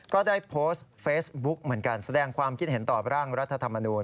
ก็ได้โพสต์เฟซบุ๊กเหมือนกันแสดงความคิดเห็นต่อร่างรัฐธรรมนูล